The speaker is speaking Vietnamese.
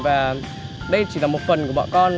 và đây chỉ là một phần của bọn con